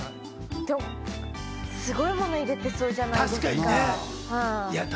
すごいものを入れてそうじゃないですか？